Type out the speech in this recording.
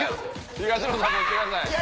東野さん撃ってください。